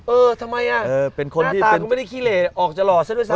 เออทำไมอ่ะหน้าตาคุณไม่ได้ขี้เหลออกจะหล่อซะด้วยซ้ำ